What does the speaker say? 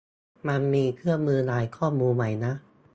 มันมีเครื่องมือย้ายข้อมูลไหมนะ